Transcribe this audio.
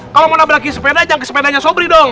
kalau mau nabrakin sepeda jangan ke sepedanya sobri dong